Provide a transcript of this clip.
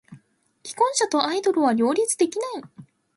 既婚者とアイドルは両立できない。